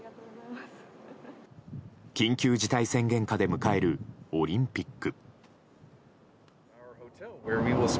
緊急事態宣言下で迎えるオリンピック。